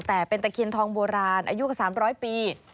แต่เป็นตะเคียนทองโบราณอายุกว่า๓๐๐ปี